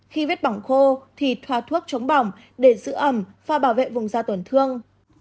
khi viết bỏng khô thì thoa thuốc chống bỏng để giữ ẩm và bảo vệ vùng da tổn thương